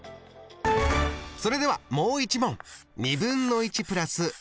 それではもう一問。